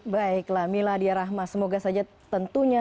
baiklah miladia rahma semoga saja tentunya